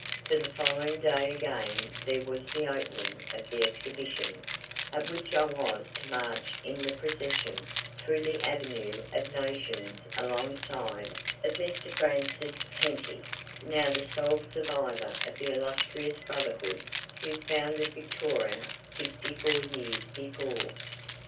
For the following day again there was the opening of the Exhibition, at which I was to march in the procession through the Avenue of Nations alongside of Mr. Francis Henty, now the sole survivor of the illustrious brotherhood who founded Victoria fifty four years before.